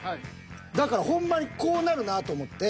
だからほんまにこうなるなぁと思って。